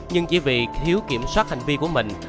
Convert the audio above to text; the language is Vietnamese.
nhưng chỉ vì thiếu kiểm soát hành vi của mình